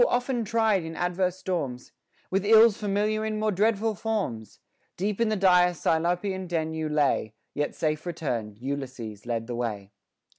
Ο often tried in adverse storms ! With ills familiar in more dreadful forms ! Deep in the dire Cyclopean den you lay, Yet safe return'd, — Ulysses led the way.